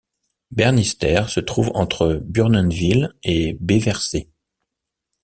Bernister se trouve entre Burnenville et Bévercé.